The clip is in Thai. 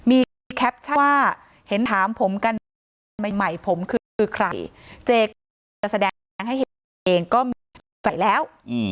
มีแคปชั่นว่าเห็นถามผมกันใหม่ผมคือใครเจก็จะแสดงให้เห็นเองก็มีใจแล้ว